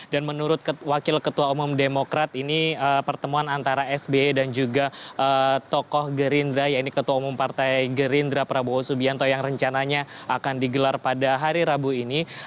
dan menurut wakil ketua umum demokrat ini pertemuan antara sbi dan juga tokoh gerindra ya ini ketua umum partai gerindra prabowo subianto yang rencananya akan digelar pada hari rabu ini